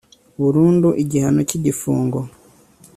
burundu igihano cy igifungo